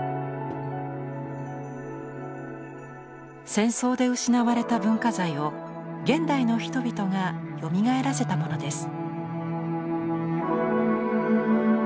戦争で失われた文化財を現代の人々がよみがえらせたものです。